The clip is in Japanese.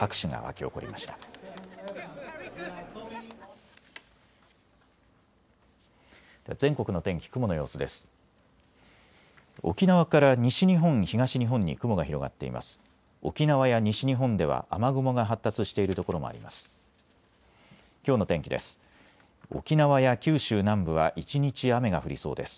沖縄や西日本では雨雲が発達しているところもあります。